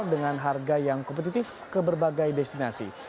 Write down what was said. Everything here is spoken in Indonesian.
dengan harga yang kompetitif ke berbagai destinasi